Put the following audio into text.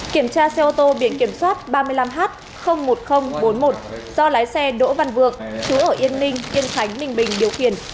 kiểm tra xe ô tô biển kiểm soát ba mươi năm h một nghìn bốn mươi một do lái xe đỗ văn vượng chú ở yên ninh yên khánh ninh bình điều khiển